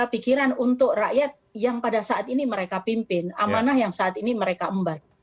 pikiran untuk rakyat yang pada saat ini mereka pimpin amanah yang saat ini mereka emban